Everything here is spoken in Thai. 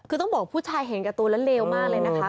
คือต้องบอกผู้ชายเห็นกับตัวและเลวมากเลยนะคะ